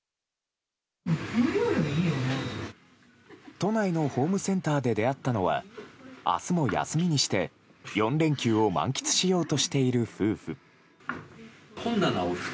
都内のホームセンターで出会ったのは明日も休みにして、４連休を満喫しようとしている夫婦。